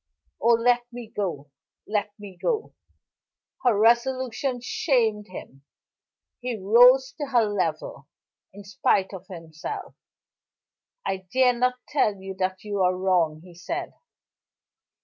Oh, let me go! Let me go!" Her resolution shamed him. He rose to her level, in spite of himself. "I dare not tell you that you are wrong," he said.